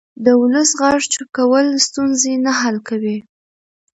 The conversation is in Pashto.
د ولس غږ چوپ کول ستونزې نه حل کوي